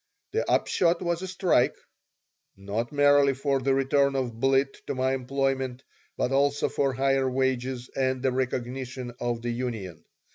The upshot was a strike not merely for the return of Blitt to my employment, but also for higher wages and the recognition of the union.